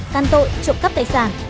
tàn tội trộm cắp tài sản